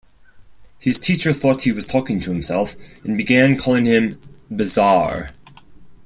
His teacher thought he was talking to himself, and began calling him 'Bizarre'.